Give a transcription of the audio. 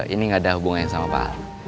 ini gak ada hubungan yang sama pak al